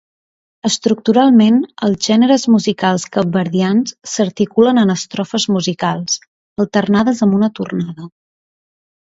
Estructuralment, els gèneres musicals capverdians s'articulen en estrofes musicals, alternades amb una tornada.